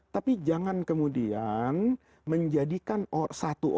tapi jangan kemudian menjadikan satu orang